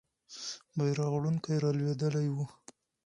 بیرغ وړونکی رالوېدلی وو.